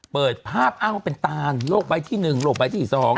เปิดภาพห้าวเป็นตาลโลกใบที่หนึ่งโลกใบที่สอง